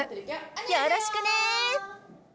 よろしくね。